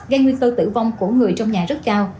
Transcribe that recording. gây nguy cơ tử vong của người trong nhà rất cao